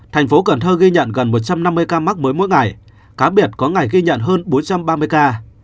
thành phố cần thơ ghi nhận gần một trăm năm mươi ca mắc mới mỗi ngày cá biệt có ngày ghi nhận hơn bốn trăm ba mươi ca